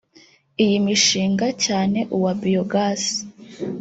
Iyi mishinga cyane uwa biogas